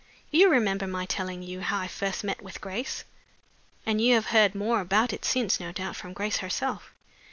You remember my telling you how I first met with Grace? And you have heard more about it since, no doubt, from Grace herself?"